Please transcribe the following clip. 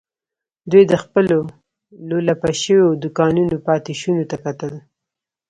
دوی د خپلو لولپه شويو دوکانونو پاتې شونو ته کتل.